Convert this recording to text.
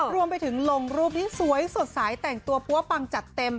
รวมไปถึงลงรูปนี้สวยสดใสแต่งตัวปั๊วปังจัดเต็ม